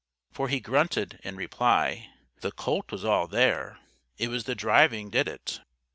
For he grunted, in reply, "The colt was all there. It was the driving did it.")